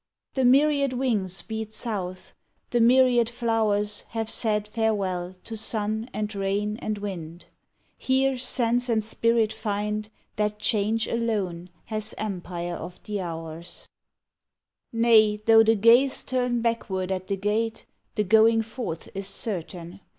The myriad wings beat south, the myriad flow rs Have said farewell to sun and rain and wind; Here sense and spirit find That change alone has empire of the hours. THE FALL OF THE YEAR Nay, tho the gaze turn backward at the gate, The going forth is certain.